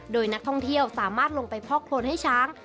โดยนักท่องเที่ยวสามารถลงไปพอกโครนให้ช้าง